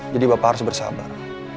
jadi bapak harus bersabar